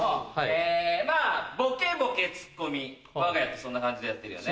まぁボケボケツッコミ我が家ってそんな感じでやってるよね。